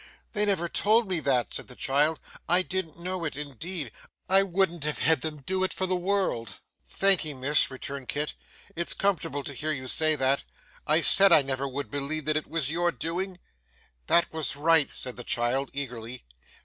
'They never told me that,' said the child. 'I didn't know it indeed. I wouldn't have had them do it for the world.' 'Thank'ee, miss,' returned Kit, 'it's comfortable to hear you say that. I said I never would believe that it was your doing.' 'That was right!' said the child eagerly.